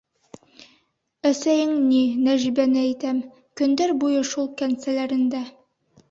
Эсәйең ни, Нәжибәне әйтәм, көндәр буйына шул кәнсәләрендә.